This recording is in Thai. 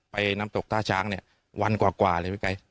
น้ำตกท่าช้างเนี่ยวันกว่าเลยพี่ไก